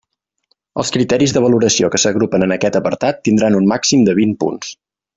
Els criteris de valoració que s'agrupen en aquest apartat tindran un màxim de vint punts.